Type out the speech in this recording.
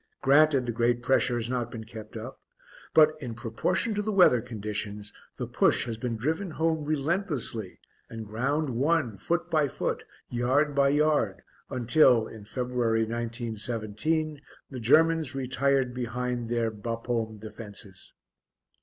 Granted the great pressure has not been kept up, but in proportion to the weather conditions the push has been driven home relentlessly and ground won foot by foot, yard by yard, until, in February, 1917, the Germans retired behind their Bapaume defences.